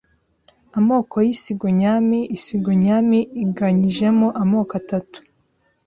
Amoko y’iisigo nyami Iisigo nyami iganyijemo amoko atatu